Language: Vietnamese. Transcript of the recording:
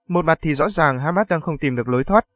một mặt thì rõ ràng hamas đang không tìm được lối thoát